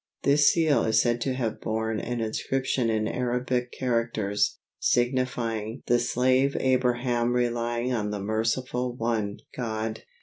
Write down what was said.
This seal is said to have borne an inscription in Arabic characters, signifying "The slave Abraham relying on the Merciful One (God)."